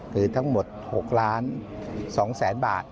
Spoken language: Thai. คือทั้งหมด๖ล้าน๒แสนบาท